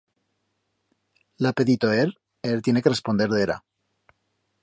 L'ha pedito er e er tiene que responder d'era.